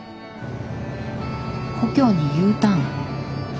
故郷にＵターン出戻り？